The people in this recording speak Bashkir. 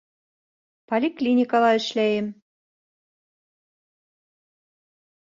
Поликлиникала эшләйем